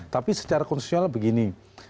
tapi secara konsesional begini